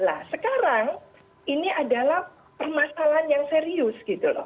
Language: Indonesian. nah sekarang ini adalah permasalahan yang serius